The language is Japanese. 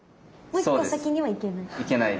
もう一個先には行けない？